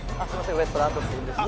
ウエストランドっていうんですけど。